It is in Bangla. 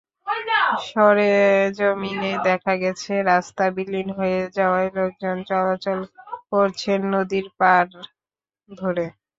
সরেজমিনে দেখা গেছে, রাস্তা বিলীন হয়ে যাওয়ায় লোকজন চলাচল করছেন নদীর পাড় ধরে।